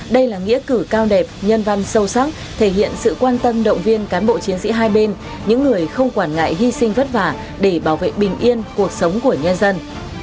đây là nghĩa cử cao đẹp nhân văn sâu sắc thể hiện sự quan tâm động viên cán bộ chiến sĩ hai bên những người không quản ngại hy sinh vất vả để bảo vệ bình yên cuộc sống của nhân dân